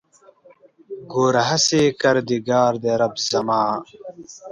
ګوره هسې کردګار دی رب زما